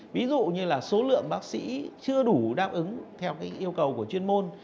ví dụ như là số lượng bác sĩ chưa đủ đáp ứng theo yêu cầu của chuyên môn